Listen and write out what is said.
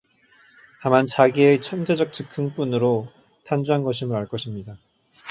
다만 자기의 천재적 즉흥 뿐으로 탄주한 것임을 알 것입니다.